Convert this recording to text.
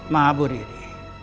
mak abu riri